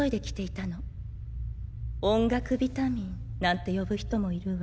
「音楽ビタミン」なんて呼ぶ人もいるわ。